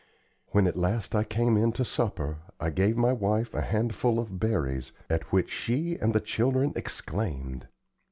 When at last I came in to supper, I gave my wife a handful of berries, at which she and the children exclaimed.